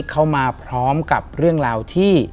เข้ามาพร้อมกับเรื่องราวที่